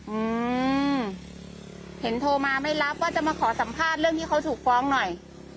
อืมเห็นโทรมาไม่รับว่าจะมาขอสัมภาษณ์เรื่องที่เขาถูกฟ้องหน่อย